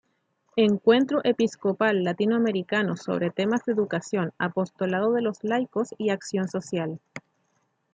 Encuentro Episcopal Latino-Americano sobre temas de educación, apostolado de los laicos y acción social.